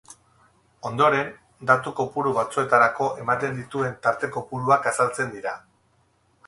Ondoren, datu-kopuru batzuetarako ematen dituen tarte kopuruak azaltzen dira.